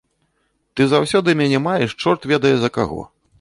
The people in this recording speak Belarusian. Ты заўсёды мяне маеш чорт ведае за каго.